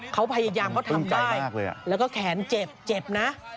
เขาพยายามเขาทำได้แล้วก็แขนเจ็บเจ็บนะ